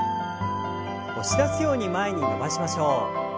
押し出すように前に伸ばしましょう。